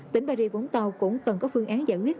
tỉnh paris vũng tàu cũng cần có phương án giải quyết